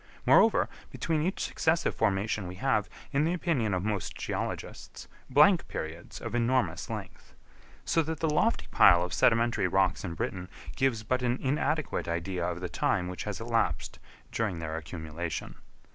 Moreover, between each successive formation we have, in the opinion of most geologists, blank periods of enormous length. So that the lofty pile of sedimentary rocks in Britain gives but an inadequate idea of the time which has elapsed during their accumulation.